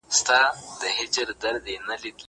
زه کولای سم انځور وګورم!!